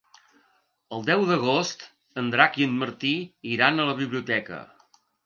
El deu d'agost en Drac i en Martí iran a la biblioteca.